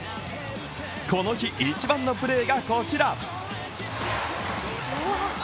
この日、一番のプレーがこちら。